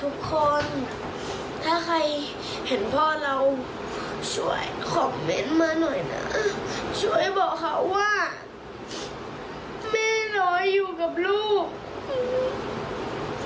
พ่อรีบกลับบ้านนะหนูอยากให้ถึงพ่อ